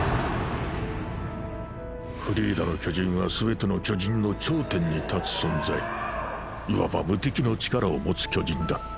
フリーダの巨人はすべての巨人の頂点に立つ存在いわば無敵の力を持つ巨人だった。